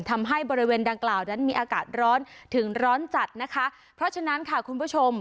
ทำให้บริเวณดังกล่าวนั้นมีอากาศร้อนถึงร้อนจัดนะคะเพราะฉะนั้นค่ะคุณผู้ชม